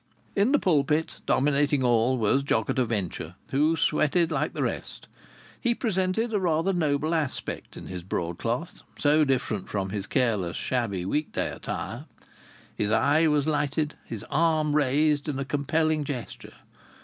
In the pulpit, dominating all, was Jock at a Venture, who sweated like the rest. He presented a rather noble aspect in his broadcloth, so different from his careless, shabby week day attire. His eye was lighted; his arm raised in a compelling gesture.